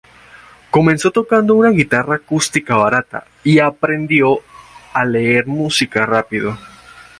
Comenzó tocando una guitarra acústica barata y aprendió a leer música rápido.